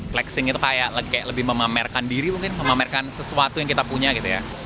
flexing itu kayak lebih memamerkan diri mungkin memamerkan sesuatu yang kita punya gitu ya